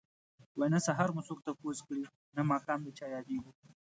نه سهار مو څوک تپوس کړي نه ماښام د چا ياديږو